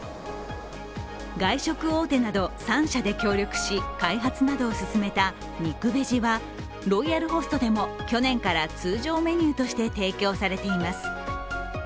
外食大手など３社で協力し開発などを進めたＮＩＫＵＶＥＧＥはロイヤルホストでも去年から通常メニューとして提供されています。